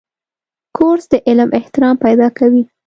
کورس د علم احترام پیدا کوي.